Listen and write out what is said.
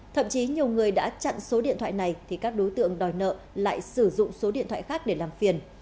thậm chí nhiều người đã chặn số điện thoại này thì các đối tượng đòi nợ lại sử dụng số điện thoại khác để làm phiền